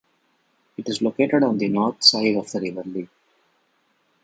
It is located on the north side of the River Lee.